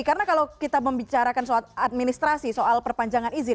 karena kalau kita membicarakan soal administrasi soal perpanjangan izin